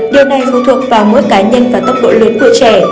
điều này phụ thuộc vào mỗi cá nhân và tốc độ lớn của trẻ